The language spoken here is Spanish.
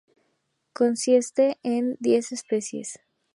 Consiste en diez especies.